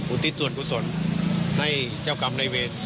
ทิศส่วนกุศลให้เจ้ากรรมในเวร